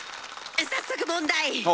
早速問題！